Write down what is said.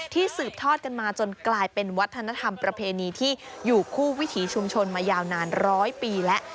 สืบทอดกันมาจนกลายเป็นวัฒนธรรมประเพณีที่อยู่คู่วิถีชุมชนมายาวนานร้อยปีแล้ว